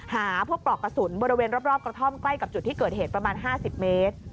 หาพวกปลอกกระสุนบริเวณรอบกระท่อมใกล้กับจุดที่เกิดเหตุประมาณ๕๐เมตร